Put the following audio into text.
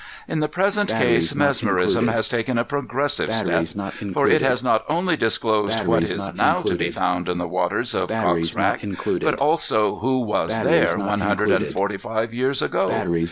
"In the present case, mesmerism has taken a progressive step; for it has not only disclosed what is now to be found in the waters of Cocks rack, but also who was there one hundred and forty five years ago.